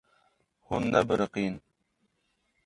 Hûn nebiriqîn.